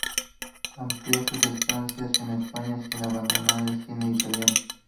Amplía sus estancias en España sin abandonar el cine italiano.